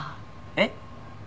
えっ？